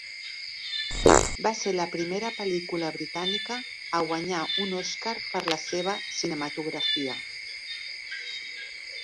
Va ser la primera pel·lícula britànica a guanyar un Oscar per la seva cinematografia.